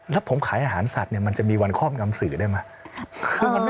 แล้วผมขายอาหารสัตว์เนี่ยมันจะมีวันครอบงำสื่อได้ไหม